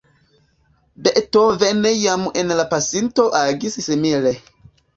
Beethoven jam en la pasinteco agis simile.